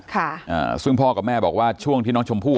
ค่ะอ่าซึ่งพ่อกับแม่บอกว่าช่วงที่น้องชมพู่